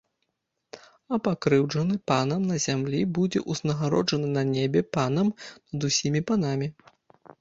А пакрыўджаны панам на зямлі будзе ўзнагароджаны на небе панам над усімі панамі.